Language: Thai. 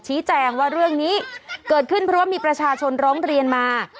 ชี้แจงว่าเรื่องนี้เกิดขึ้นเพราะว่ามีประชาชนร้องเรียนมา